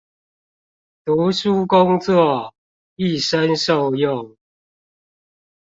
讀書工作，一生受用